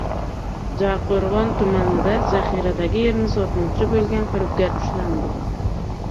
Jarqo‘rg‘on tumanida zaxiradagi yerni sotmoqchi bo‘lgan firibgar ushlandi